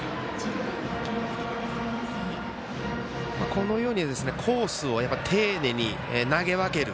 このようにコースを丁寧に投げ分ける。